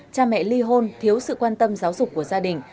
cha mẹ ly hôn thiếu sự quan tâm giáo dục của gia đình